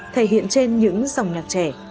thể hiện trên những dòng nhạc trẻ